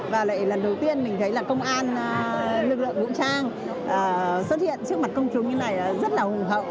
và lại lần đầu tiên mình thấy là công an lực lượng vũ trang xuất hiện trước mặt công chúng như này rất là hùng hậu